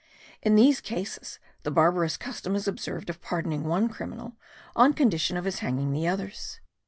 In these cases the barbarous custom is observed of pardoning one criminal on condition of his hanging the others.